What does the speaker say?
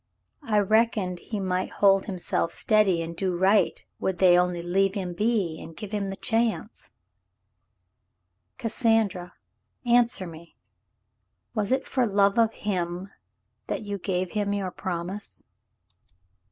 "I reckoned he might hold himself steady and do right — would they only leave him be — and give him the chance —" "Cassandra, answer me. Was it for love of him that you gave him your promise